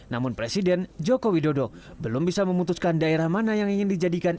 namun presiden joko widodo belum bisa memutuskan daerah mana yang ingin dijadikan